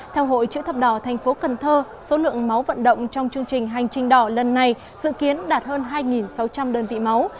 theo hội chữ thập đỏ tp cnh số lượng máu vận động trong chương trình hành trình đỏ lần này dự kiến đạt hơn hai sáu trăm linh đơn vị máu